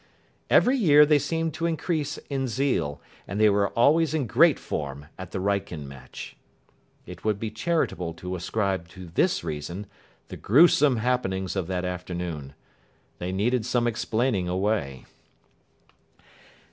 Every year they seemed to increase in zeal, and they were always in great form at the Wrykyn match. It would be charitable to ascribe to this reason the gruesome happenings of that afternoon. They needed some explaining away.